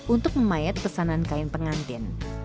untuk memayat pesanan kain pengantin